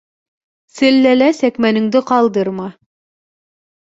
Селләлә сәкмәнеңде ҡалдырма.